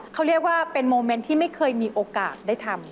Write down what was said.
เขาเรียกว่าเป็นโมเมนต์ที่ไม่เคยมีโอกาสได้ทำ